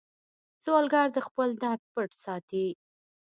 سوالګر د خپل درد پټ ساتي